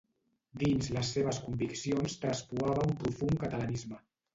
Dins les seves conviccions traspuava un profund catalanisme.